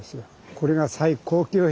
これが最高級品。